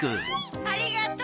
ありがとう！